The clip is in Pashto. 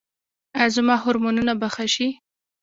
ایا زما هورمونونه به ښه شي؟